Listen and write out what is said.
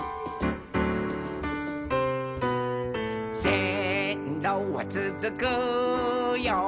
「せんろはつづくよ